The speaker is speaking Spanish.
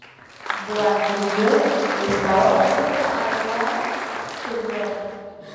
Búa-kviðr estaba opuesto al Goða-kviðr.